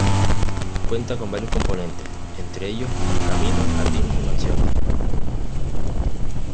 Cuenta con varios componentes, entre ellos caminos, jardines y mansiones.